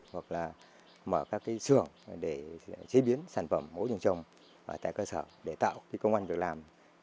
hoặc là mở các sửa để chế biến sản phẩm hỗ trường trồng tại cơ sở để tạo công an được làm